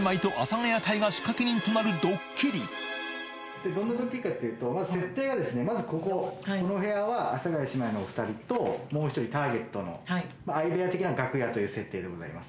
どんなドッキリかというと、まず設定が、まず、ここ、この部屋は阿佐ヶ谷姉妹のお２人と、もう１人ターゲットの相部屋的な楽屋という設定でございます。